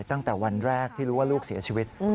ตั้งแต่วันแรกที่รู้ว่าลูกเสียชีวิต